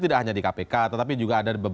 oh ya pkb